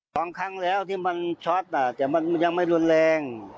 ครั้งแล้วที่มันช็อตแต่มันยังไม่รุนแรง